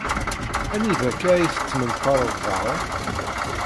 Anida akk-a ay tettmenṭareḍ daɣen?